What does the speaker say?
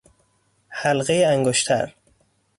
حلقۀ انگشتر